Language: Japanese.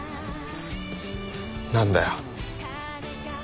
何だよ。